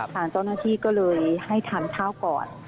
ทางเจ้าหน้าที่ก็เลยให้ทานข้าวก่อน